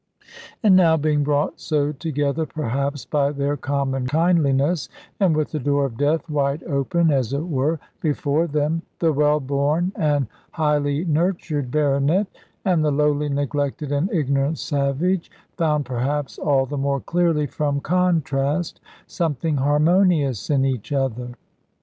And now being brought so together perhaps by their common kindliness, and with the door of death wide open, as it were, before them, the well born and highly nurtured baronet, and the lowly, neglected, and ignorant savage, found (perhaps all the more clearly from contrast) something harmonious in each other.